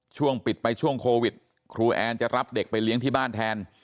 ช่วงปิดไปช่วงโควิดครูแอนจะรับเด็กไปเลี้ยงที่บ้านแทน